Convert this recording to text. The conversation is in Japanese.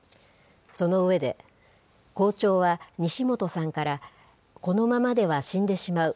その上で、校長は西本さんからこのままでは死んでしまう。